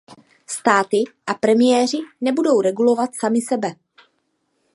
Státy a premiéři nebudou regulovat sami sebe!